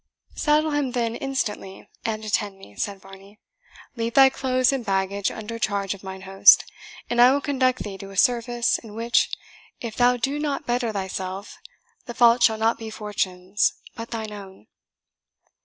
"Saddle him then instantly, and attend me," said Varney. "Leave thy clothes and baggage under charge of mine host; and I will conduct thee to a service, in which, if thou do not better thyself, the fault shall not be fortune's, but thine own."